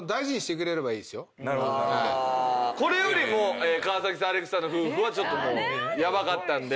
これよりも川崎さんアレクさんの夫婦はヤバかったんで。